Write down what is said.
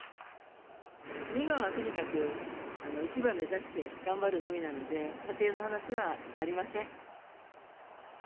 今はとにかく、一番目指して頑張るのみなので、仮定の話はありません。